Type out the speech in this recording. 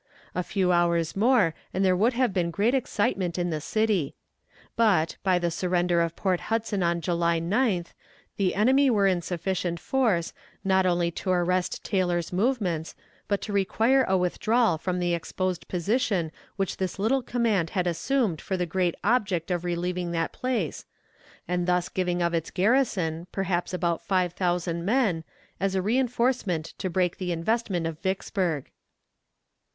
A few hours more, and there would have been great excitement in the city. But, by the surrender of Port Hudson on July 9th, the enemy were in sufficient force, not only to arrest Taylor's movements, but to require a withdrawal from the exposed position which this little command had assumed for the great object of relieving that place, and thus giving of its garrison, perhaps about five thousand men, as a reënforcement to break the investment of Vicksburg.